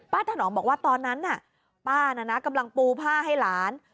ถนอมบอกว่าตอนนั้นน่ะป้าน่ะนะกำลังปูผ้าให้หลาน